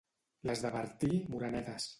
Les de Bertí, morenetes.